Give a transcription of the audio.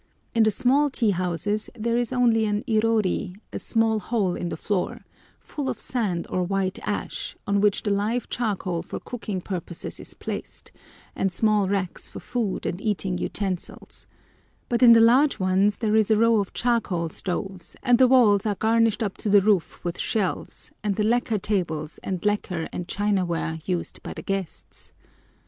In the small tea houses there is only an irori, a square hole in the floor, full of sand or white ash, on which the live charcoal for cooking purposes is placed, and small racks for food and eating utensils; but in the large ones there is a row of charcoal stoves, and the walls are garnished up to the roof with shelves, and the lacquer tables and lacquer and china ware used by the guests.